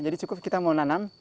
jadi cukup kita mau nanam